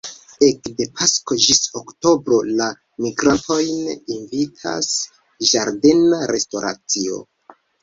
Ekde pasko ĝis oktobro la migrantojn invitas ĝardena restoracio.